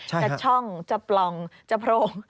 จะช่องจะปล่องจะโพรง